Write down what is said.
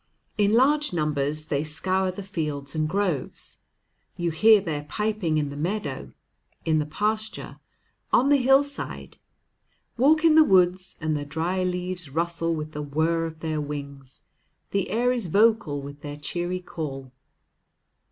In large numbers they scour the fields and groves. You hear their piping in the meadow, in the pasture, on the hillside. Walk in the woods, and the dry leaves rustle with the whir of their wings, the air is vocal with their cheery call.